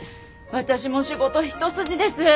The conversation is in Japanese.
私も仕事一筋です！